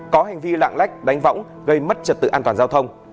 có hành vi lạng lách đánh võng gây mất trật tự an toàn giao thông